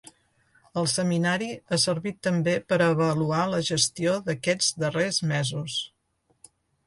El seminari ha servit també per a avaluar la gestió d’aquests darrers mesos.